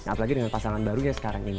apalagi dengan pasangan barunya sekarang ini